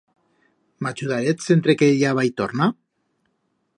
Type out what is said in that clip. M'achudarets entre que ella va y torna?